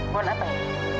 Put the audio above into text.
buat apa ya